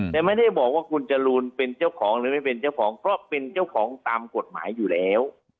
แต่ไม่ได้บอกว่าคุณจรูนเป็นเจ้าของหรือไม่เป็นเจ้าของก็เป็นเจ้าของตามกฎหมายอยู่แล้ว